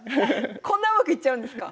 こんなうまくいっちゃうんですか？